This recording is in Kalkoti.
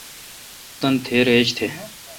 تان تھیر ایج تھ۔